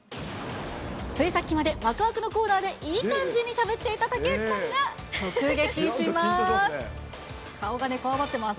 ついさっきまで、わくわくのコーナーでいい感じにしゃべっていた武内さんが、直撃します。